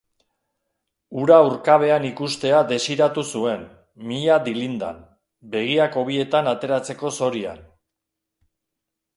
Hura urkabean ikustea desiratu zuen, mihia dilindan, begiak hobietan ateratzeko zorian.